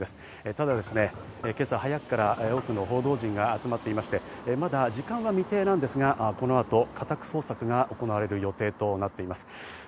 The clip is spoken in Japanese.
ただ今朝早くから多くの報道陣が集まっていまして、まだ時間は未定ですが、この後家宅捜索が行われる予定となっています。